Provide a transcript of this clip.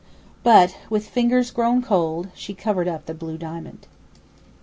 But, with fingers grown cold, she covered up the blue diamond.